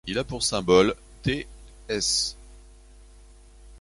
Il a pour symbole Ts.